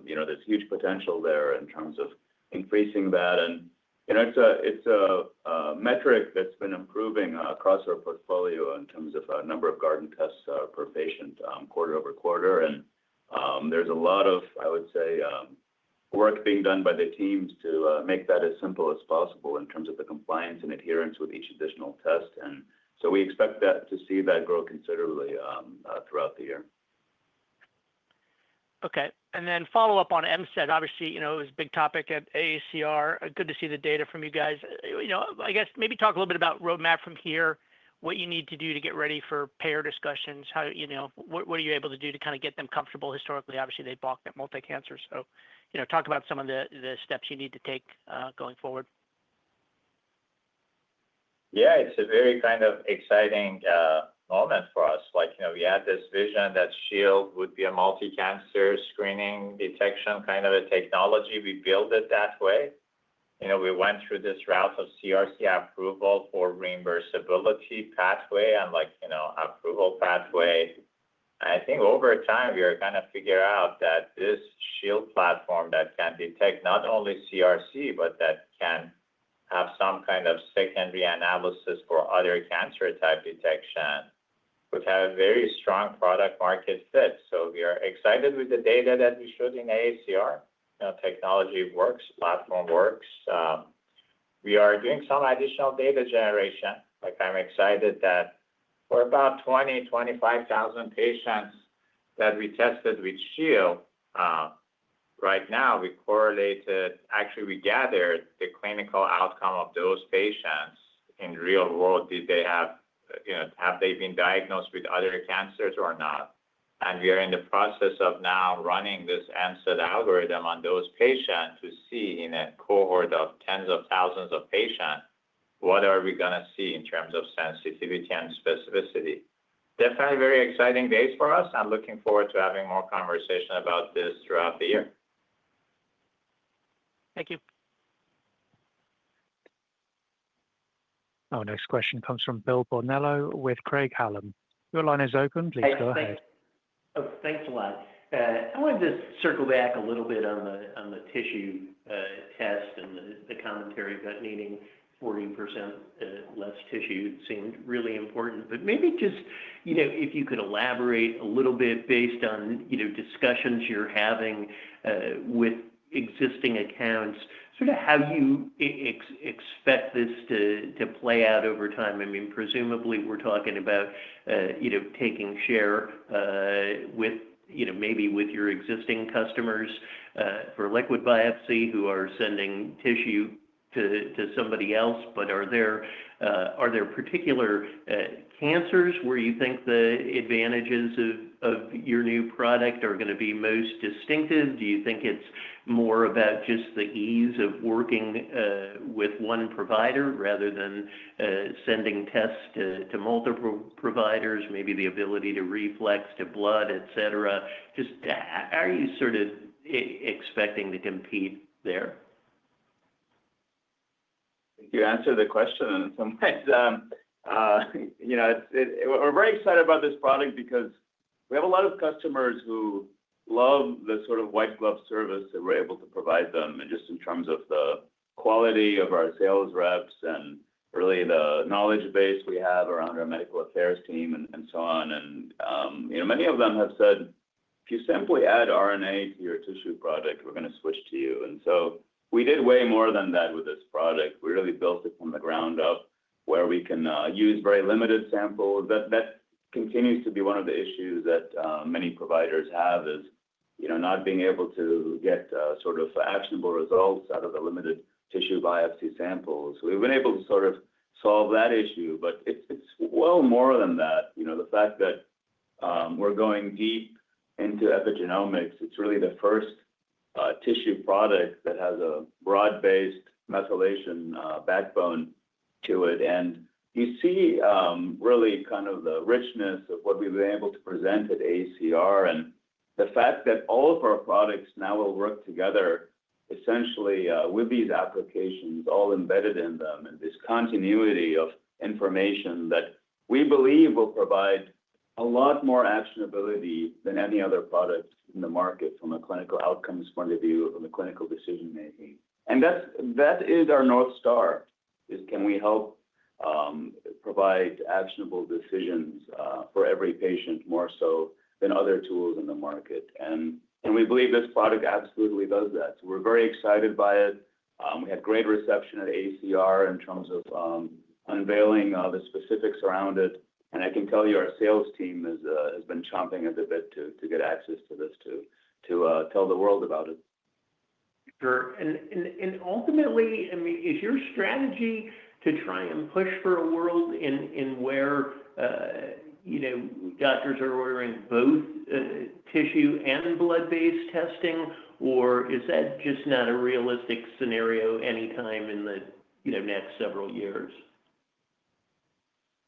there's huge potential there in terms of increasing that. It's a metric that's been improving across our portfolio in terms of our number of Guardant tests per patient quarter over quarter. There's a lot of, I would say, work being done by the teams to make that as simple as possible in terms of the compliance and adherence with each additional test. We expect to see that grow considerably throughout the year. Okay. Then follow-up on MCD. Obviously, it was a big topic at AACR. Good to see the data from you guys. I guess maybe talk a little bit about roadmap from here, what you need to do to get ready for payer discussions. What are you able to do to kind of get them comfortable? Historically, obviously, they balked at multicancer. Talk about some of the steps you need to take going forward. Yeah, it's a very kind of exciting moment for us. We had this vision that Shield would be a multicancer screening detection kind of a technology. We built it that way. We went through this route of CRC approval for reimbursability pathway and approval pathway. I think over time, we are going to figure out that this Shield platform that can detect not only CRC, but that can have some kind of secondary analysis for other cancer-type detection, would have a very strong product-market fit. We are excited with the data that we showed in AACR. Technology works. Platform works. We are doing some additional data generation. I'm excited that for about 20,000, 25,000 patients that we tested with Shield, right now, we correlated, actually, we gathered the clinical outcome of those patients in real world. Did they have, have they been diagnosed with other cancers or not? We are in the process of now running this MCD algorithm on those patients to see in a cohort of tens of thousands of patients, what are we going to see in terms of sensitivity and specificity? Definitely very exciting days for us. I'm looking forward to having more conversation about this throughout the year. Thank you. Our next question comes from Bill Bonello with Craig-Hallum. Your line is open. Please go ahead. Thanks, Elliot. I wanted to circle back a little bit on the tissue test and the commentary that needing 40% less tissue seemed really important. Maybe just if you could elaborate a little bit based on discussions you're having with existing accounts, sort of how you expect this to play out over time. I mean, presumably, we're talking about taking share maybe with your existing customers for liquid biopsy who are sending tissue to somebody else. Are there particular cancers where you think the advantages of your new product are going to be most distinctive? Do you think it's more about just the ease of working with one provider rather than sending tests to multiple providers, maybe the ability to reflex to blood, etc.? Just how are you sort of expecting to compete there? You answered the question in some ways. We are very excited about this product because we have a lot of customers who love the sort of white-glove service that we are able to provide them. Just in terms of the quality of our sales reps and really the knowledge base we have around our medical affairs team and so on. Many of them have said, "If you simply add RNA to your tissue product, we are going to switch to you." We did way more than that with this product. We really built it from the ground up where we can use very limited samples. That continues to be one of the issues that many providers have is not being able to get sort of actionable results out of the limited tissue biopsy samples. We've been able to sort of solve that issue, but it's well more than that. The fact that we're going deep into epigenomics, it's really the first tissue product that has a broad-based methylation backbone to it. You see really kind of the richness of what we've been able to present at AACR and the fact that all of our products now will work together essentially with these applications all embedded in them and this continuity of information that we believe will provide a lot more actionability than any other product in the market from a clinical outcome point of view, from a clinical decision-making. That is our North Star, is can we help provide actionable decisions for every patient more so than other tools in the market. We believe this product absolutely does that. We are very excited by it. We had great reception at AACR in terms of unveiling the specifics around it. I can tell you our sales team has been chomping at the bit to get access to this to tell the world about it. Sure. Ultimately, I mean, is your strategy to try and push for a world in where doctors are ordering both tissue and blood-based testing, or is that just not a realistic scenario anytime in the next several years?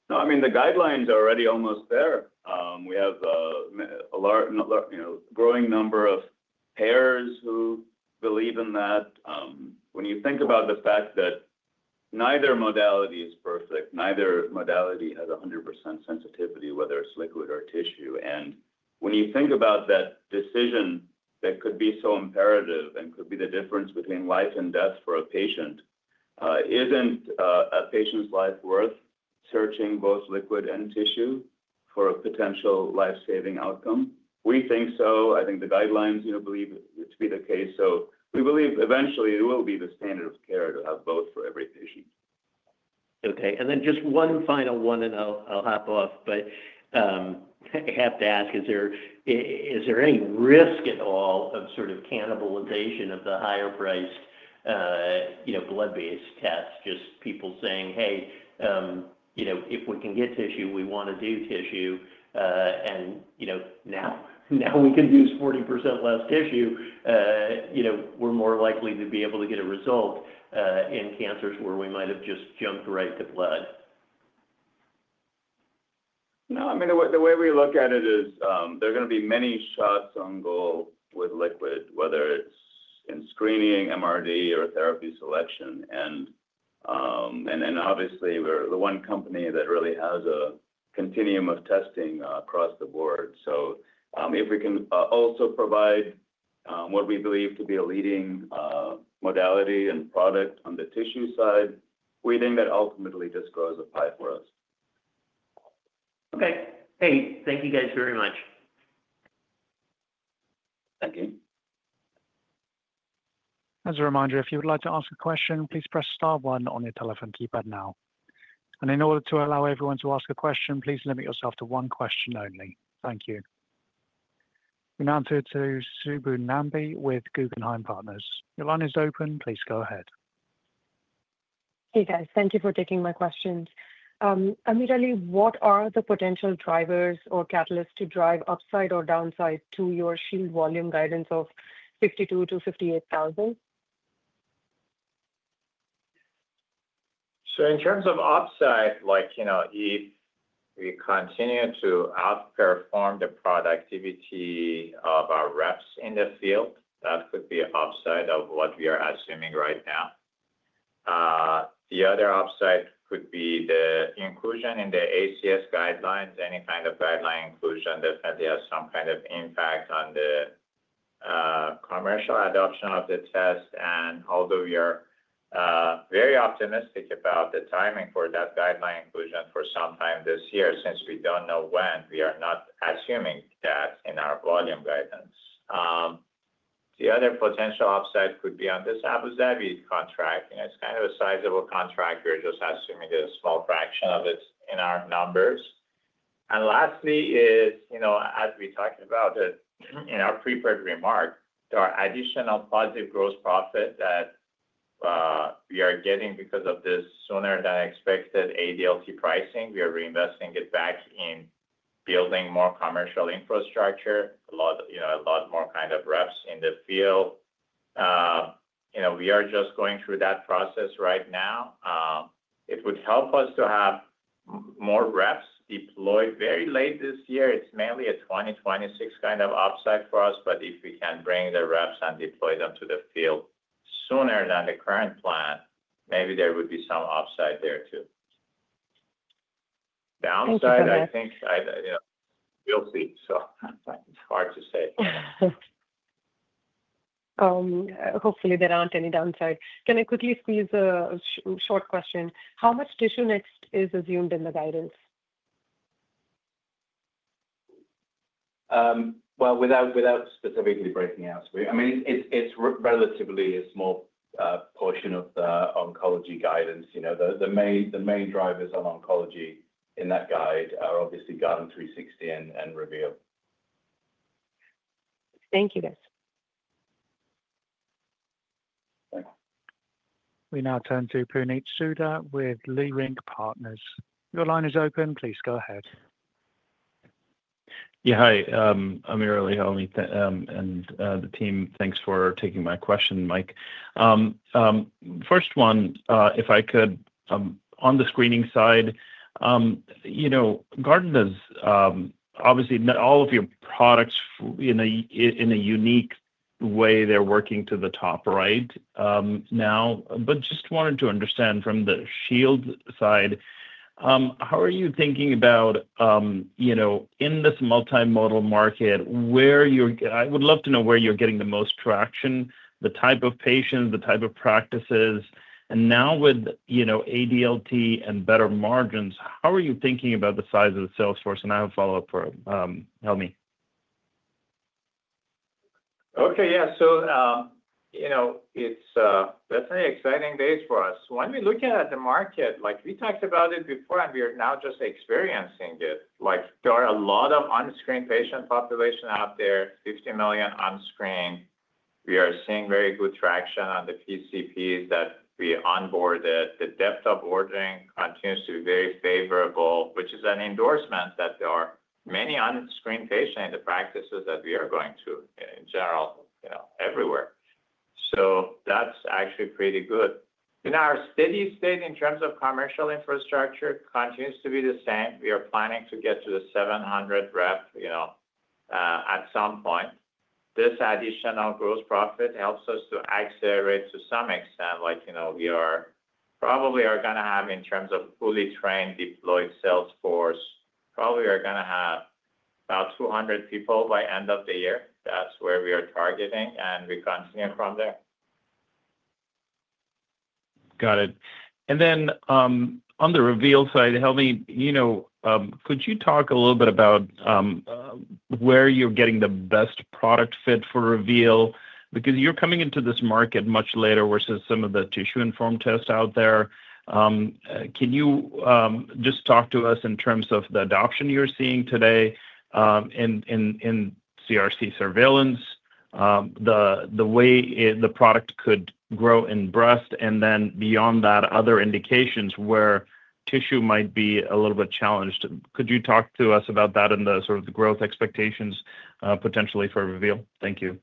No, I mean, the guidelines are already almost there. We have a growing number of payers who believe in that. When you think about the fact that neither modality is perfect, neither modality has 100% sensitivity, whether it's liquid or tissue. When you think about that decision that could be so imperative and could be the difference between life and death for a patient, isn't a patient's life worth searching both liquid and tissue for a potential lifesaving outcome? We think so. I think the guidelines believe it to be the case. We believe eventually it will be the standard of care to have both for every patient. Okay. Just one final one, and I'll hop off, but I have to ask, is there any risk at all of sort of cannibalization of the higher-priced blood-based tests? Just people saying, "Hey, if we can get tissue, we want to do tissue." And now we can use 40% less tissue, we're more likely to be able to get a result in cancers where we might have just jumped right to blood. No, I mean, the way we look at it is there are going to be many shots on goal with liquid, whether it's in screening, MRD, or therapy selection. And then obviously, we're the one company that really has a continuum of testing across the board. If we can also provide what we believe to be a leading modality and product on the tissue side, we think that ultimately just grows a pie for us. Okay. Hey, thank you guys very much. Thank you. As a reminder, if you would like to ask a question, please press star one on your telephone keypad now. In order to allow everyone to ask a question, please limit yourself to one question only. Thank you. We now turn to Subbu Nambi with Guggenheim Partners. Your line is open. Please go ahead. Hey, guys. Thank you for taking my questions. AmirAli, what are the potential drivers or catalysts to drive upside or downside to your Shield volume guidance of 52,000 to 58,000? In terms of upside, if we continue to outperform the productivity of our reps in the field, that could be upside of what we are assuming right now. The other upside could be the inclusion in the ACS guidelines. Any kind of guideline inclusion definitely has some kind of impact on the commercial adoption of the test. Although we are very optimistic about the timing for that guideline inclusion for sometime this year, since we do not know when, we are not assuming that in our volume guidance. The other potential upside could be on this Abu Dhabi contract. It is kind of a sizable contract. We are just assuming a small fraction of it in our numbers. Lastly, as we talked about in our prepared remark, there are additional positive gross profit that we are getting because of this sooner-than-expected ADLT pricing. We are reinvesting it back in building more commercial infrastructure, a lot more kind of reps in the field. We are just going through that process right now. It would help us to have more reps deployed very late this year. It is mainly a 2026 kind of upside for us. If we can bring the reps and deploy them to the field sooner than the current plan, maybe there would be some upside there too. The downside, I think we'll see. It's hard to say. Hopefully, there aren't any downside. Can I quickly squeeze a short question? How much tissue next is assumed in the guidance? Without specifically breaking out, I mean, it's relatively a small portion of the oncology guidance. The main drivers on oncology in that guide are obviously Guardant360 and Reveal. Thank you, guys. We now turn to Puneet Souda with Leerink Partners. Your line is open. Please go ahead. Yeah, hi. AmirAli and the team, thanks for taking my question, Mike. First one, if I could, on the screening side, Guardant is obviously not all of your products in a unique way. They're working to the top right now. Just wanted to understand from the Shield side, how are you thinking about in this multimodal market, where you're—I would love to know where you're getting the most traction, the type of patients, the type of practices. Now with ADLT and better margins, how are you thinking about the size of the sales force? I have a follow-up for Helmy. Okay. Yeah. It's definitely exciting days for us. When we look at the market, we talked about it before, and we are now just experiencing it. There are a lot of unscreened patient population out there, 50 million unscreened. We are seeing very good traction on the PCPs that we onboarded. The depth of ordering continues to be very favorable, which is an endorsement that there are many unscreened patients in the practices that we are going to in general everywhere. That's actually pretty good. In our steady state in terms of commercial infrastructure, it continues to be the same. We are planning to get to the 700 rep at some point. This additional gross profit helps us to accelerate to some extent. We probably are going to have, in terms of fully trained, deployed sales force, probably are going to have about 200 people by end of the year. That's where we are targeting, and we continue from there. Got it. Then on the Reveal side, Helmy, could you talk a little bit about where you're getting the best product fit for Reveal? Because you're coming into this market much later versus some of the tissue-informed tests out there. Can you just talk to us in terms of the adoption you're seeing today in CRC surveillance, the way the product could grow in breast, and then beyond that, other indications where tissue might be a little bit challenged? Could you talk to us about that and sort of the growth expectations potentially for Reveal? Thank you.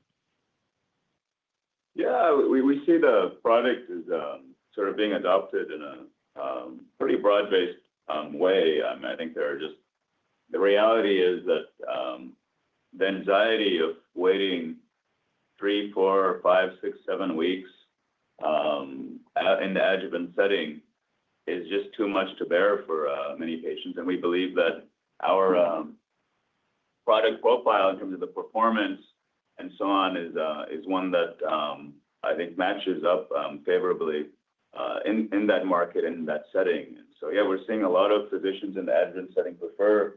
Yeah. We see the product is sort of being adopted in a pretty broad-based way. I mean, I think there are just—the reality is that the anxiety of waiting three, four, five, six, seven weeks in the adjuvant setting is just too much to bear for many patients. We believe that our product profile in terms of the performance and so on is one that I think matches up favorably in that market and in that setting. Yeah, we're seeing a lot of physicians in the adjuvant setting prefer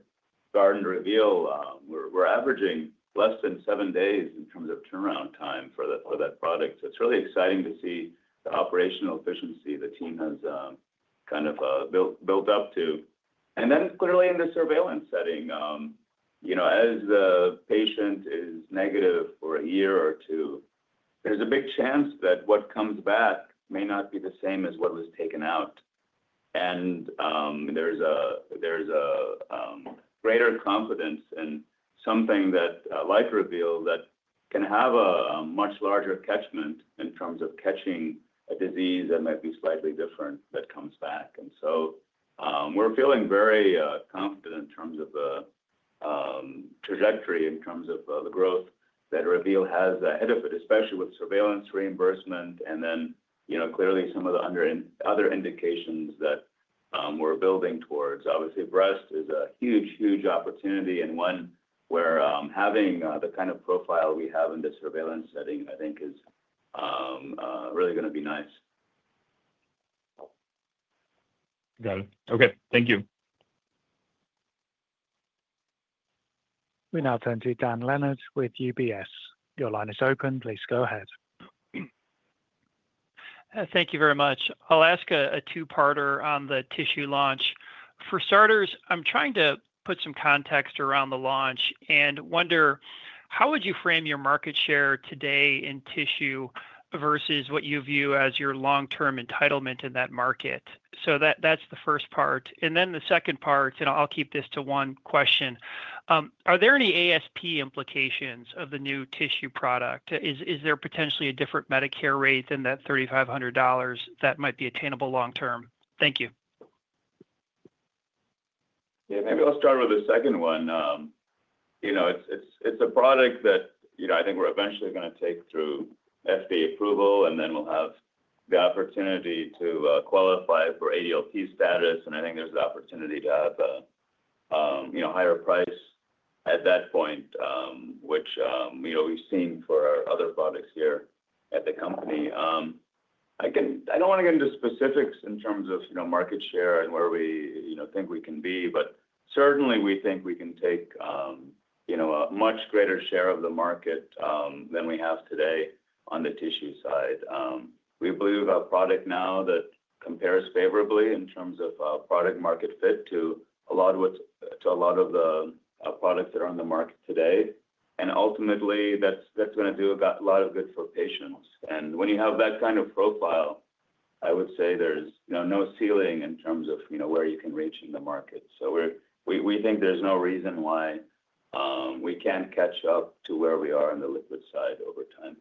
Guardant Reveal. We're averaging less than seven days in terms of turnaround time for that product. It's really exciting to see the operational efficiency the team has kind of built up to. Clearly in the surveillance setting, as the patient is negative for a year or two, there's a big chance that what comes back may not be the same as what was taken out. There's a greater confidence in something that, like Reveal, that can have a much larger catchment in terms of catching a disease that might be slightly different that comes back. We're feeling very confident in terms of the trajectory, in terms of the growth that Reveal has ahead of it, especially with surveillance reimbursement. Clearly some of the other indications that we're building towards. Obviously, breast is a huge, huge opportunity and one where having the kind of profile we have in the surveillance setting, I think, is really going to be nice. Got it. Okay. Thank you. We now turn to Dan Leonard with UBS. Your line is open. Please go ahead. Thank you very much. I'll ask a two-parter on the tissue launch. For starters, I'm trying to put some context around the launch and wonder how would you frame your market share today in tissue versus what you view as your long-term entitlement in that market? That's the first part. The second part, and I'll keep this to one question. Are there any ASP implications of the new tissue product? Is there potentially a different Medicare rate than that $3,500 that might be attainable long-term? Thank you. Yeah. Maybe I'll start with the second one. It's a product that I think we're eventually going to take through FDA approval, and then we'll have the opportunity to qualify for ADLT status. I think there's an opportunity to have a higher price at that point, which we've seen for our other products here at the company. I don't want to get into specifics in terms of market share and where we think we can be, but certainly we think we can take a much greater share of the market than we have today on the tissue side. We believe our product now that compares favorably in terms of product-market fit to a lot of what's to a lot of the products that are on the market today. Ultimately, that's going to do a lot of good for patients. When you have that kind of profile, I would say there's no ceiling in terms of where you can reach in the market. We think there's no reason why we can't catch up to where we are on the liquid side over time.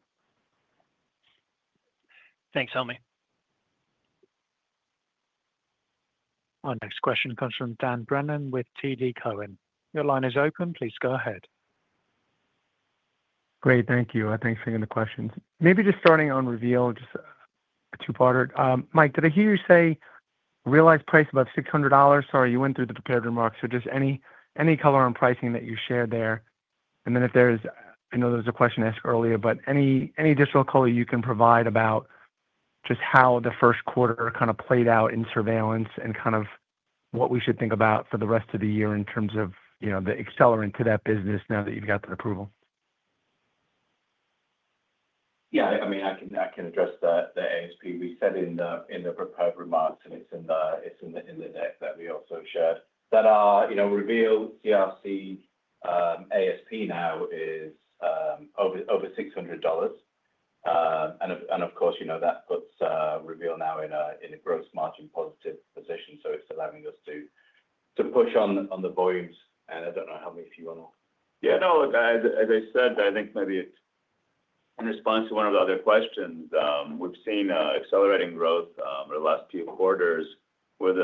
Thanks, Helmy. Our next question comes from Dan Brennan with TD Cowen. Your line is open. Please go ahead. Great. Thank you. I think seeing the questions. Maybe just starting on Reveal, just a two-parter. Mike, did I hear you say realized price above $600? Sorry, you went through the prepared remarks. So just any color on pricing that you share there? If there is—I know there was a question asked earlier, but any additional color you can provide about just how the first quarter kind of played out in surveillance and kind of what we should think about for the rest of the year in terms of the accelerant to that business now that you have got the approval? Yeah. I mean, I can address the ASP. We said in the prepared remarks, and it is in the deck that we also shared, that Reveal CRC ASP now is over $600. Of course, that puts Reveal now in a gross margin positive position. It is allowing us to push on the volumes. I do not know, Helmy, if you want to. Yeah. No, as I said, I think maybe in response to one of the other questions, we have seen accelerating growth over the last few quarters with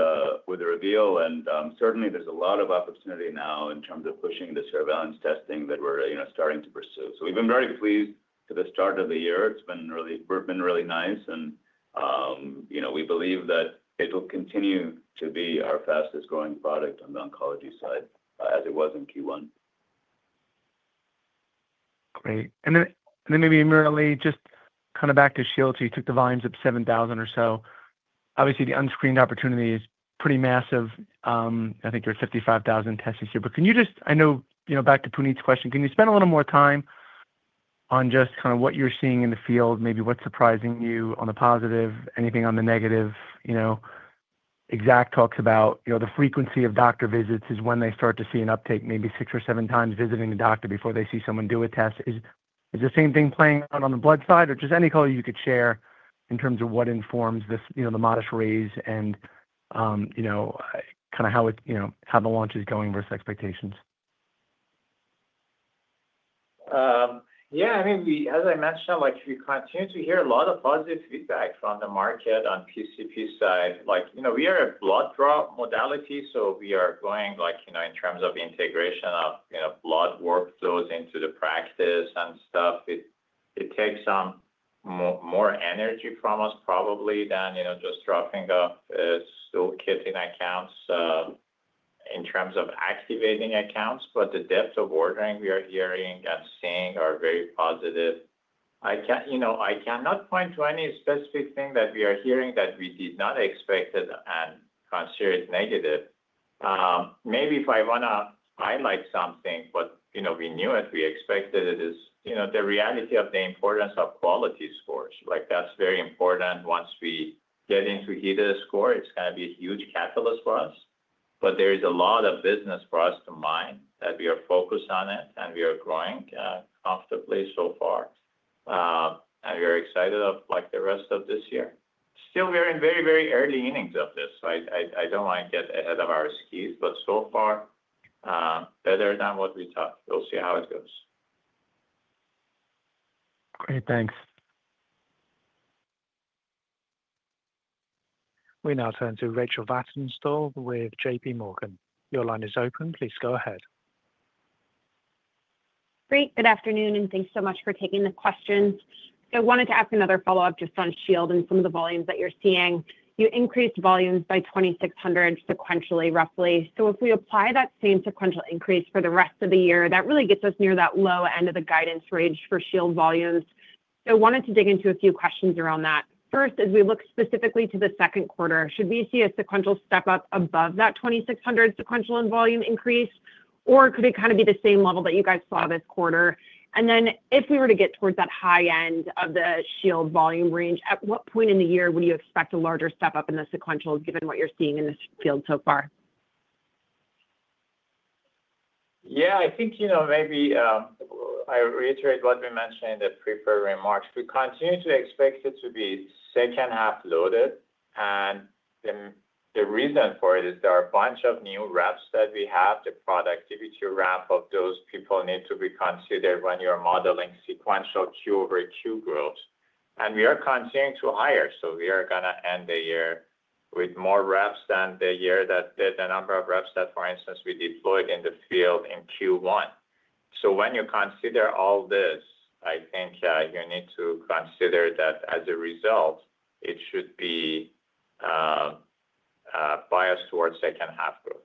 Reveal. There is a lot of opportunity now in terms of pushing the surveillance testing that we're starting to pursue. We have been very pleased with the start of the year. It's been really nice. We believe that it will continue to be our fastest-growing product on the oncology side as it was in Q1. Great. Maybe, AmirAli, just back to Shield, you took the volumes of 7,000 or so. Obviously, the unscreened opportunity is pretty massive. I think you're at 55,000 tests this year. Can you just—I know back to Puneet's question. Can you spend a little more time on just what you're seeing in the field, maybe what's surprising you on the positive, anything on the negative? Exact talks about the frequency of doctor visits is when they start to see an uptake, maybe six or seven times visiting the doctor before they see someone do a test. Is the same thing playing out on the blood side? Or just any color you could share in terms of what informs the modest raise and kind of how the launch is going versus expectations? Yeah. I mean, as I mentioned, we continue to hear a lot of positive feedback from the market on PCP side. We are a blood draw modality, so we are going in terms of integration of blood workflows into the practice and stuff. It takes more energy from us probably than just dropping off a stool kit in accounts in terms of activating accounts. The depth of ordering we are hearing and seeing are very positive. I cannot point to any specific thing that we are hearing that we did not expect and consider it negative. Maybe if I want to highlight something, but we knew it, we expected it, is the reality of the importance of quality scores. That's very important. Once we get into HEDIS score, it's going to be a huge catalyst for us. There is a lot of business for us to mind that we are focused on it, and we are growing comfortably so far. We are excited about the rest of this year. Still, we are in very, very early innings of this. I don't want to get ahead of our skis, but so far, better than what we thought. We'll see how it goes. Great. Thanks. We now turn to Rachel Vatnsdal with JPMorgan. Your line is open. Please go ahead. Great. Good afternoon, and thanks so much for taking the questions. I wanted to ask another follow-up just on Shield and some of the volumes that you're seeing. You increased volumes by 2,600 sequentially, roughly. If we apply that same sequential increase for the rest of the year, that really gets us near that low end of the guidance range for Shield volumes. I wanted to dig into a few questions around that. First, as we look specifically to the second quarter, should we see a sequential step up above that 2,600 sequential in volume increase, or could it kind of be the same level that you guys saw this quarter? If we were to get towards that high end of the Shield volume range, at what point in the year would you expect a larger step up in the sequential given what you're seeing in this field so far? Yeah. I think maybe I reiterate what we mentioned in the prepared remarks. We continue to expect it to be second-half loaded. The reason for it is there are a bunch of new reps that we have. The productivity ramp of those people needs to be considered when you're modeling sequential Q over Q growth. We are continuing to hire. We are going to end the year with more reps than the number of reps that, for instance, we deployed in the field in Q1. When you consider all this, I think you need to consider that as a result, it should be biased towards second-half growth.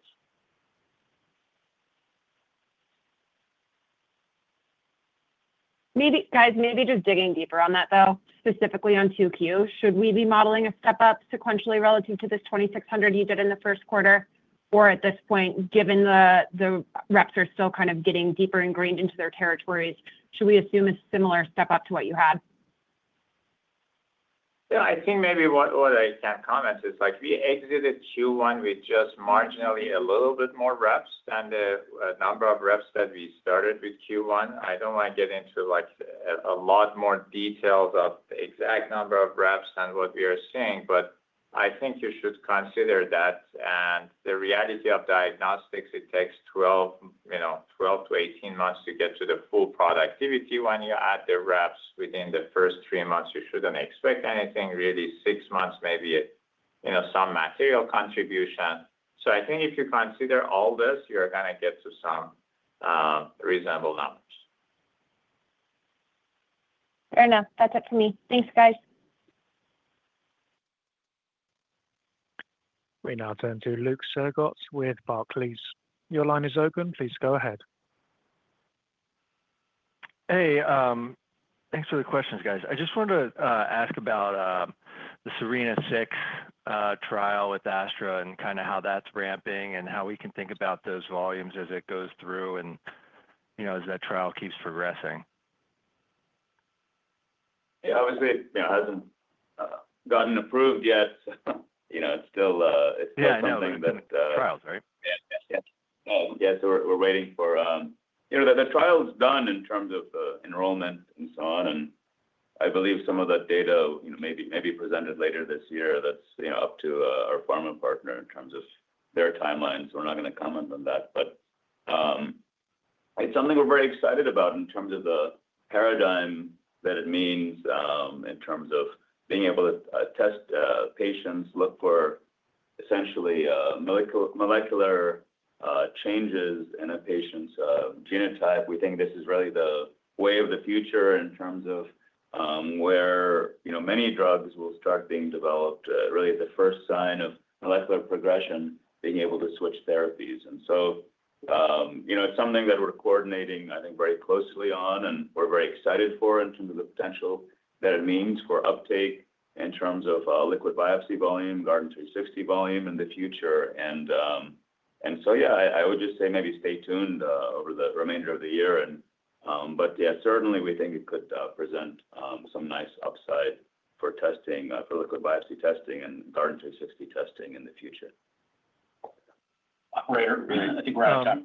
Guys, maybe just digging deeper on that, though, specifically on 2Q, should we be modeling a step up sequentially relative to this 2,600 you did in the first quarter? Or at this point, given the reps are still kind of getting deeper and greened into their territories, should we assume a similar step up to what you had? Yeah. I think maybe what I can comment is we exited Q1 with just marginally a little bit more reps than the number of reps that we started with Q1. I do not want to get into a lot more details of the exact number of reps and what we are seeing, but I think you should consider that. The reality of diagnostics, it takes 12 to 18 months to get to the full productivity. When you add the reps within the first three months, you shouldn't expect anything. Really, six months, maybe some material contribution. I think if you consider all this, you're going to get to some reasonable numbers. Fair enough. That's it for me. Thanks, guys. We now turn to Luke Sergott with Barclays. Your line is open. Please go ahead. Hey. Thanks for the questions, guys. I just wanted to ask about the SERENA-6 trial with Astra and kind of how that's ramping and how we can think about those volumes as it goes through and as that trial keeps progressing. Yeah. Obviously, it hasn't gotten approved yet, so it's still something that. Trials, right? Yes. Yes. We're waiting for the trial's done in terms of enrollment and so on. I believe some of that data may be presented later this year. That is up to our pharma partner in terms of their timelines. We are not going to comment on that. It is something we are very excited about in terms of the paradigm that it means in terms of being able to test patients, look for essentially molecular changes in a patient's genotype. We think this is really the way of the future in terms of where many drugs will start being developed, really the first sign of molecular progression, being able to switch therapies. It is something that we are coordinating, I think, very closely on and we are very excited for in terms of the potential that it means for uptake in terms of liquid biopsy volume, Guardant360 volume in the future. I would just say maybe stay tuned over the remainder of the year. Yeah, certainly, we think it could present some nice upside for liquid biopsy testing and Guardant360 testing in the future. Great. I think we're out of time.